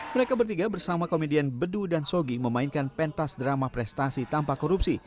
mereka bertiga bersama komedian bedu dan sogi memainkan pentas drama prestasi tanpa korupsi